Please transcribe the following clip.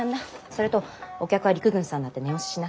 それとお客は陸軍さんだって念押ししな。